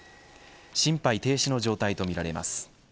心肺停止の状態とみられます。